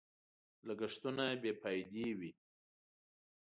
لګښتونه بې فايدې وي.